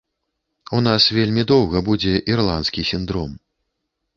У нас вельмі доўга будзе ірландскі сіндром.